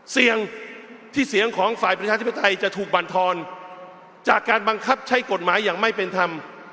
เสี่ยงที่เสียงของฝ่ายประชาธิปไตยจะถูกบรรทอนจากการบังคับใช้กฎหมายอย่างไม่เป็นธรรม